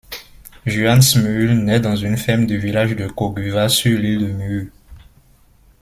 Juhan Smuul nait dans un ferme du village de Koguva sur l'île de Muhu.